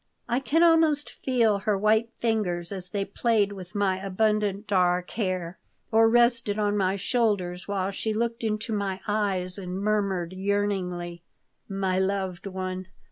I can almost feel her white fingers as they played with my abundant dark hair or rested on my shoulders while she looked into my eyes and murmured, yearningly: "My loved one!